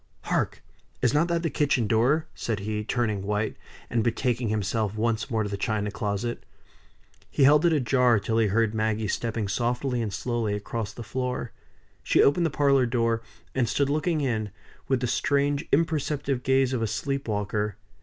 Hark! is not that the kitchen door?" said he, turning white, and betaking himself once more to the china closet. He held it ajar till he heard Maggie stepping softly and slowly across the floor. She opened the parlor door; and stood looking in, with the strange imperceptive gaze of a sleep walker.